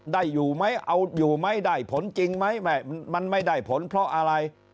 อยู่ไหมเอาอยู่ไหมได้ผลจริงไหมมันไม่ได้ผลเพราะอะไร